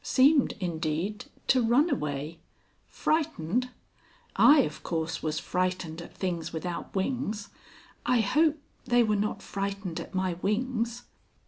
Seemed, indeed, to run away. Frightened? I, of course, was frightened at things without wings. I hope they were not frightened at my wings?"